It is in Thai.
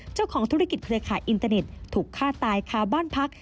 เจ้าของธุรกิจเครือข่ายอินเตอร์เน็ตถูกฆ่าตายคาบ้านพัก